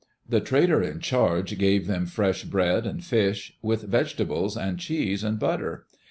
The trader in charge gave them fresh bread and fish, with vegetables and cheese and butter.